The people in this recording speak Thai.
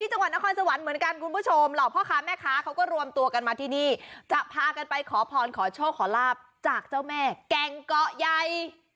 จังหวัดนครสวรรค์เหมือนกันคุณผู้ชมเหล่าพ่อค้าแม่ค้าเขาก็รวมตัวกันมาที่นี่จะพากันไปขอพรขอโชคขอลาบจากเจ้าแม่แก่งเกาะใหญ่